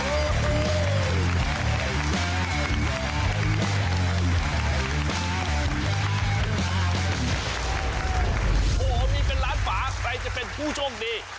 โอ้โหมีเป็นล้านฝาใครจะเป็นผู้โชคดี